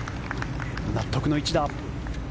納得の一打。